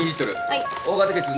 ・はい！